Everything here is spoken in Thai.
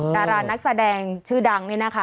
ดารานักแสดงชื่อดังนี่นะคะ